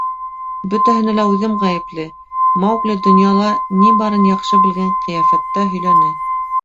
Бөтәһенә лә үҙем ғәйепле, — Маугли донъяла ни барын яҡшы белгән ҡиәфәттә һөйләне.